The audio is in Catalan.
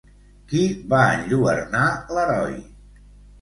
Qui va enlluernar l'heroi?